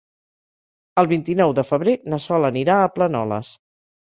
El vint-i-nou de febrer na Sol anirà a Planoles.